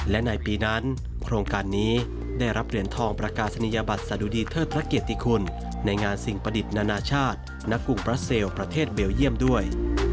และในปีนั้นโครงการนี้ได้รับเหรียญทองประกาศนียบัตรสะดุดีเทิดพระเกียรติคุณในงานสิ่งประดิษฐ์นานาชาติณกรุงบราเซลประเทศเบลเยี่ยมด้วย